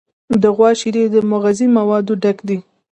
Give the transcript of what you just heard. د غوا شیدې د مغذي موادو ډک دي.